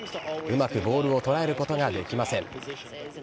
うまくボールを捉えることができません。